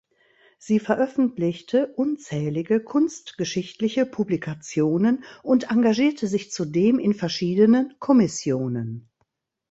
Sie veröffentlichte unzählige kunstgeschichtliche Publikationen und engagierte sich zudem in verschiedenen Kommissionen.